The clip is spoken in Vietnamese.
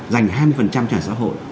dành hai mươi cho nhà xã hội